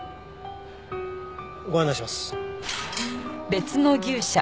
ご案内します。